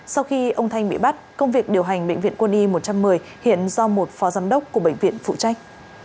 sau khi ông thanh bị bắt công việc điều hành bệnh viện quân y một trăm một mươi hiện do một phó giám đốc của bệnh viện phụ trách